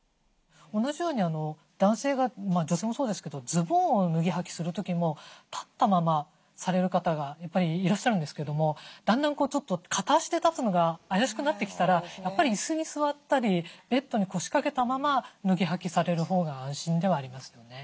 同じように男性が女性もそうですけどズボンを脱ぎはきする時も立ったままされる方がやっぱりいらっしゃるんですけどもだんだん片足で立つのが怪しくなってきたらやっぱり椅子に座ったりベッドに腰掛けたまま脱ぎはきされるほうが安心ではありますよね。